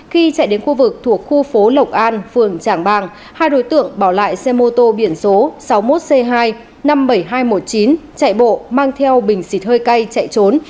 khi chạy đến khu vực thuộc khu phố lộc an phường trảng bàng hai đối tượng bỏ lại xe mô tô biển số sáu mươi một c hai năm mươi bảy nghìn hai trăm một mươi chín chạy bộ mang theo bình xịt hơi cay chạy trốn